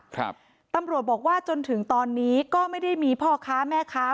ครับตำรวจบอกว่าจนถึงตอนนี้ก็ไม่ได้มีพ่อค้าแม่ค้า